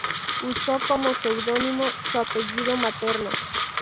Usó como seudónimo su apellido materno.